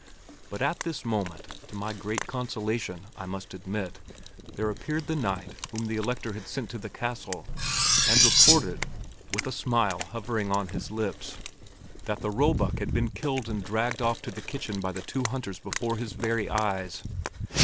But at this moment, to my great consolation, I must admit, there appeared the knight whom the Elector had sent to the castle, and reported, with a smile hovering on his lips, that the roebuck had been killed and dragged off to the kitchen by two hunters before his very eyes.